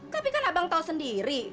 tapi kan abang tahu sendiri